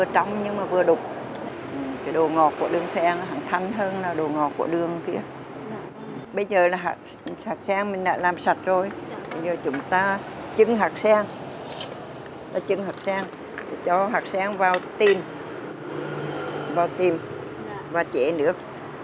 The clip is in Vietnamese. trứng hạt sen cho hạt sen vào tim vào tim và chế nước